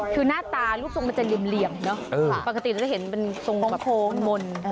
คือหน้าตารูปทรงมันจะเหลี่ยมเนอะปกติเราจะเห็นเป็นทรงโค้งมนต์